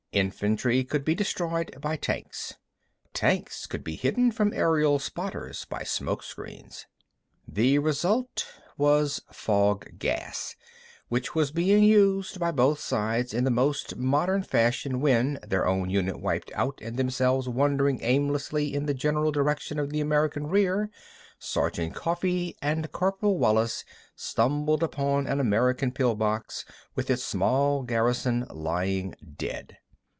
Infantry could be destroyed by tanks. But tanks could be hidden from aerial spotters by smoke screens. The result was fog gas, which was being used by both sides in the most modern fashion when, their own unit wiped out and themselves wandering aimlessly in the general direction of the American rear, Sergeant Coffee and Corporal Wallis stumbled upon an American pill box with its small garrison lying dead.